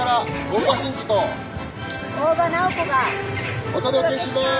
お届けします！